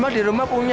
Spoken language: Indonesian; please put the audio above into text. memang di rumah punya